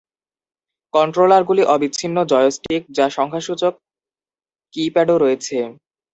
কন্ট্রোলারগুলি অ-বিচ্ছিন্ন joystick যা সংখ্যাসূচক কী প্যাডও রয়েছে।